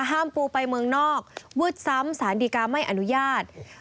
ห้ามปูไปเมืองนอกวึดซ้ำสานดีการ์ไม่อนุญาต